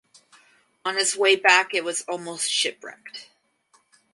On his way back it was almost shipwrecked.